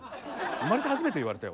生まれて初めて言われたよ